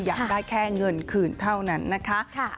อยากได้แค่เงินคืนเท่านั้นนะคะ